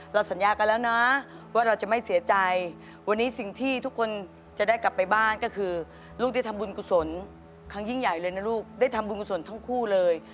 สัญญากันแล้วนะว่าเราจะไม่เสียใจวันนี้สิ่งที่ทุกคนจะได้กลับไปบ้านก็คือลูกได้ทำบุญกุศลครั้งยิ่งใหญ่เลยนะลูกได้ทำบุญกุศลทั้งคู่เลย